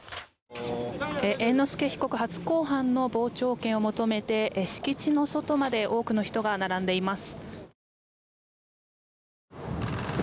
猿之助被告初公判の傍聴券を求めて敷地の外まで多くの人が並んでいます。